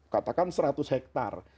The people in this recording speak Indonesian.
katakan seratus hektare